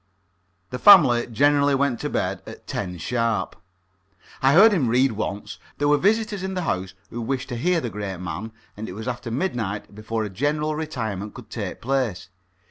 The family generally went to bed at ten sharp. I heard him read once. There were visitors in the house who wished to hear the great man, and it was after midnight before a general retirement could take place.